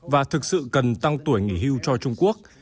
và thực sự cần tăng tuổi nghỉ hưu cho trung quốc